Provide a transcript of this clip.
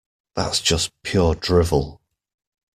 That's just pure drivel!